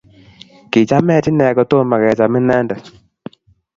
Kichamech inne kotomo kecham inendet